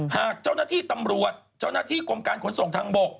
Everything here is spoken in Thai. หากเจ้าหน้าที่ตำรวจเจ้าหน้าที่กรมการขนส่งทางบก